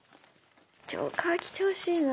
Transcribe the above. ジョーカー来てほしいな。